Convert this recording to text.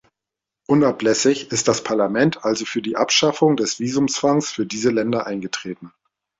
Unablässig ist das Parlament also für die Abschaffung des Visumzwangs für diese Länder eingetreten.